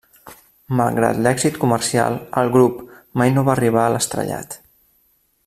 Malgrat l'èxit comercial, el grup mai no va arribar a l'estrellat.